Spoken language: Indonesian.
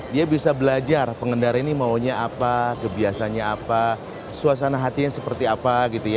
dia bisa belajar pengendara ini maunya apa kebiasaannya apa suasana hatinya seperti apa